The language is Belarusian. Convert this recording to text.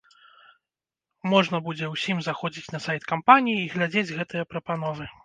Можна будзе ўсім заходзіць на сайт кампаніі і глядзець гэтыя прапановы.